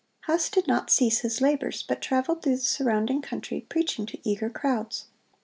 (128) Huss did not cease his labors, but traveled through the surrounding country, preaching to eager crowds.